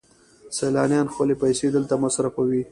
سیلانیان خپلې پیسې دلته مصرفوي.